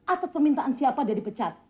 atas permintaan siapa dia dipecat